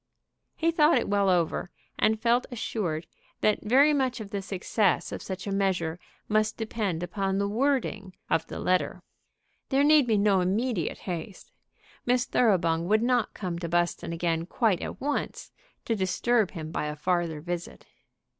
He thought it well over, and felt assured that very much of the success of such a measure must depend upon the wording of the letter. There need be no immediate haste. Miss Thoroughbung would not come to Buston again quite at once to disturb him by a farther visit.